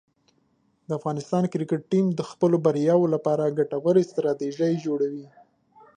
د افغانستان کرکټ ټیم د خپلو بریاوو لپاره ګټورې ستراتیژۍ جوړوي.